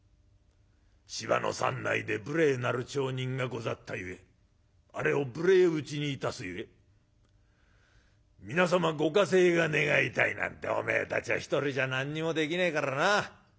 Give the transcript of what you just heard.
『芝の山内で無礼なる町人がござったゆえあれを無礼打ちにいたすゆえ皆様ご加勢が願いたい』なんておめえたちは一人じゃ何にもできねえからな。